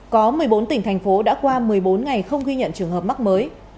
có một mươi bốn tỉnh thành phố đã qua một mươi bốn ngày không ghi nhận trường hợp mắc mới